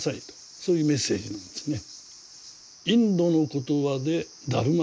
そういうメッセージなんですね。